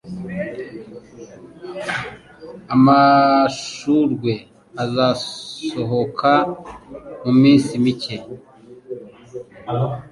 Amashurwe azasohoka muminsi mike.